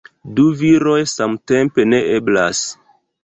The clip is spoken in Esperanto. Du viroj samtempe, neeblas